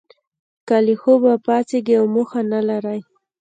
که له خوبه پاڅیږی او موخه نه لرئ